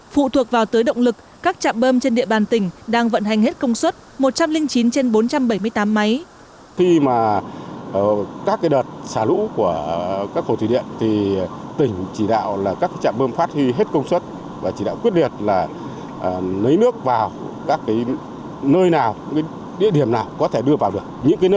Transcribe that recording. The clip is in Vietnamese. phụ thuộc vào tới động lực các chạm bơm trên địa bàn tỉnh đang vận hành hết công suất một trăm linh chín trên bốn trăm bảy mươi tám máy